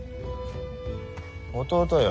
弟よ